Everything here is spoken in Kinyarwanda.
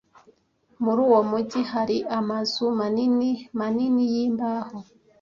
Muri uwo mujyi hari amazu manini manini yimbaho.